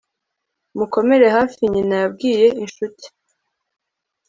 mukomere hafi, nyina yabwiye inshuti